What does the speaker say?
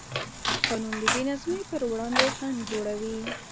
قانون د بېنظمۍ پر وړاندې خنډ جوړوي.